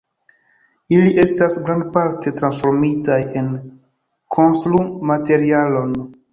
Ili estis grandparte transformitaj en konstru-materialon.